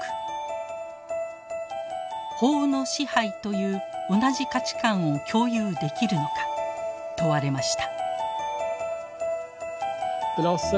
「法の支配」という同じ価値観を共有できるのか問われました。